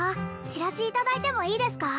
チラシいただいてもいいですか？